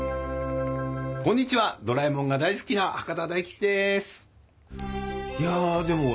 こんにちはドラえもんが大好きないやでもね